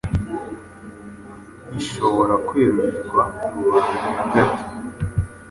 Ishobora kwerurirwa rubanda nagato